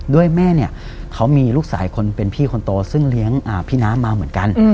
ด้วยแม่เขามีลูกสายเป็นพี่คนโตซึ่งเลี้ยงพี่น้ำมาเหมือนกัน